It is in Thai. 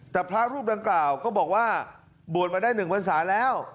แต่พระรูปดังกล่าวก็บอกว่าบวชมาได้๑ภาษาแล้ว